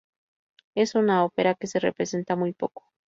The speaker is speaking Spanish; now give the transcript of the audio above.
Es una ópera que se representa muy poco.